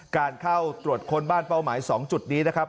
การเข้าตรวจค้นบ้านเป้าหมาย๒จุดนี้นะครับ